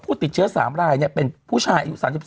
ผู้ติดเชื้อสามรายเป็นผู้ชายอายุ๓๓